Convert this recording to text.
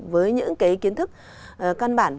với những cái kiến thức cân bản